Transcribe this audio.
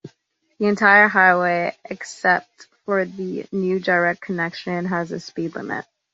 The entire highway, except for the new direct connection, has a speed limit.